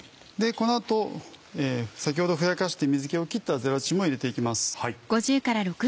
この後先ほどふやかして水気を切ったゼラチンも入れて行きます。